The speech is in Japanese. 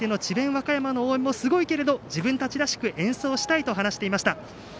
和歌山の応援もすごいけれど自分たちらしく演奏したいと話していました。